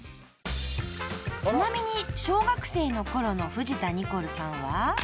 ［ちなみに小学生の頃の藤田ニコルさんは］